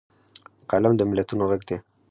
قلم د ملتونو غږ دی